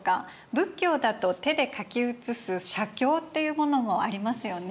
仏教だと手で書き写す写経っていうものもありますよね？